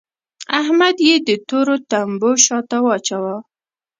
احمد يې د تورو تمبو شا ته واچاوو.